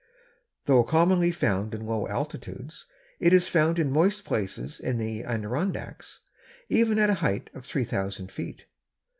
Though commonly found in low altitudes, it is found in moist places in the Adirondacks, even at a height of three thousand feet.